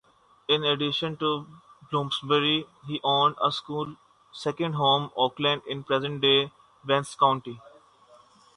In addition to Bloomsbury, he owned a second home, "Oakland," in present-day Vance County.